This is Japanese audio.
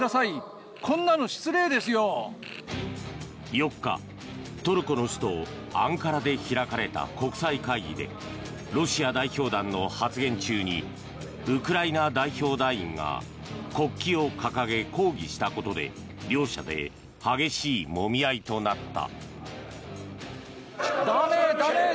４日、トルコの首都アンカラで開かれた国際会議でロシア代表団の発言中にウクライナ代表団員が国旗を掲げ、抗議したことで両者で激しいもみ合いとなった。